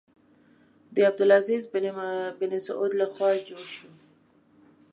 د عبدالعزیز بن سعود له خوا جوړ شو.